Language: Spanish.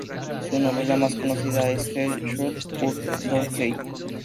Su novela más conocida es "They Shoot Horses, Don't They?